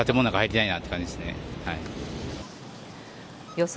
予想